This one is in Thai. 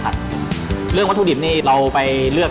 กะเพราไข่ปลาหมึก